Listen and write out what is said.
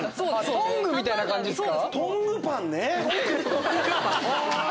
トングみたいな感じですか。